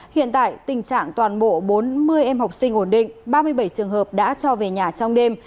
hiện tại tình trạng toàn bộ bốn mươi em học sinh ổn định ba mươi bảy trường hợp đã cho về nhà trong đêm